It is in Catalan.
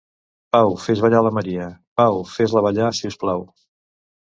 Pau, fes ballar la Maria; Pau, fes-la ballar si us plau.